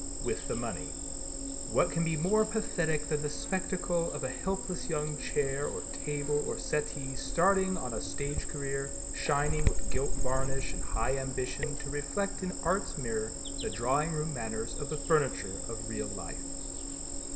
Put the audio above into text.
with the money. What can be more pathetic than the spectacle of a helpless young chair or table or settee starting on a stage career shining with gilt varnish and high ambition to reflect in art's mirror the drawing room manners of the furniture of real life.